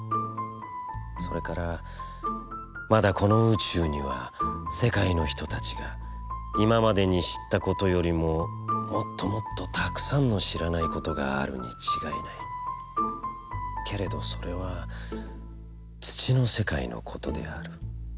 それからまだこの宇宙には世界の人達が今迄に知つた事よりももつともつと沢山の知らない事があるに違ない、けれどそれは土の世界のことである。